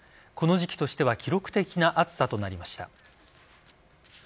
この時期としては記録的な暑さとなりました。